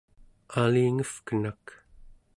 alingevkenak